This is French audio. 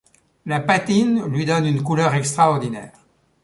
La patine lui donne une couleur extraordinaire.